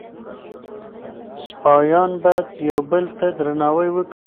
سپایان باید یو بل ته درناوی وکړي.